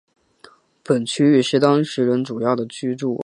本区域是当时人主要的居住区域。